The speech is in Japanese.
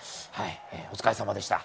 お疲れさまでした。